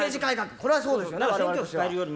これはそうですよね